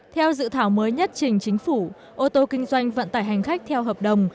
theo dự thảo mới nhất trình chính phủ ô tô kinh doanh vận tải hành khách theo hợp đồng